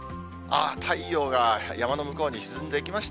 ああ、太陽が山の向こうに沈んでいきました。